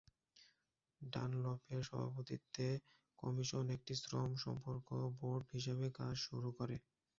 ডানলপের সভাপতিত্বে, কমিশন একটি শ্রম সম্পর্ক বোর্ড হিসাবে কাজ শুরু করে।